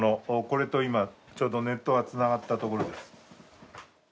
これと今ちょうどネットがつながったところです